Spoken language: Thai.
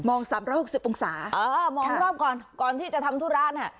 ๓๖๐องศาเออมองรอบก่อนก่อนที่จะทำธุระน่ะ